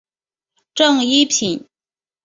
正一品。